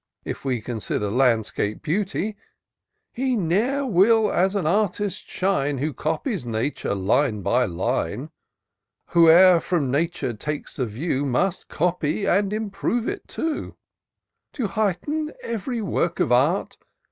If we consider landscape beauty : He ne'er will as an artist shine. Who copies Nature line by line : Whoe'er from Nature takes a view, Must copy and improve her too. To heighten every work of art.